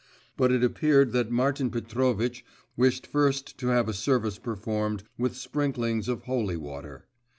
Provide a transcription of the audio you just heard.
But it appeared that Martin Petrovitch wished first to have a service performed with sprinklings of holy water.